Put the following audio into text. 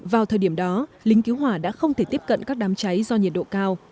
vào thời điểm đó lính cứu hỏa đã không thể tiếp cận các đám cháy do nhiệt độ cao